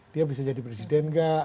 dia bisa jadi presiden nggak